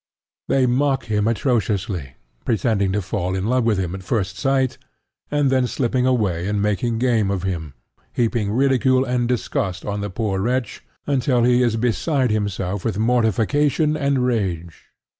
They mock him atrociously, pretending to fall in love with him at first sight, and then slipping away and making game of him, heaping ridicule and disgust on the poor wretch until he is beside himself with mortification and rage.